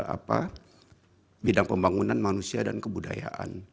apa bidang pembangunan manusia dan kebudayaan